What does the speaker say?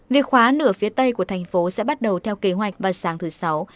việc khóa nửa phía tây của thành phố sẽ bắt đầu theo kế hoạch vào sáng thứ sáu